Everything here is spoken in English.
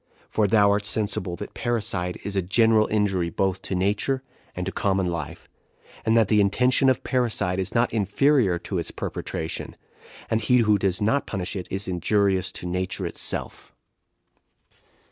for thou art sensible that parricide is a general injury both to nature and to common life, and that the intention of parricide is not inferior to its perpetration; and he who does not punish it is injurious to nature itself."